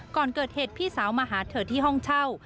ก่อนเกิดเหตุพี่สาวมาหาเธอที่ห้องเช่า